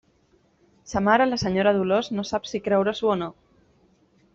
Sa mare, la senyora Dolors, no sap si creure-s'ho o no.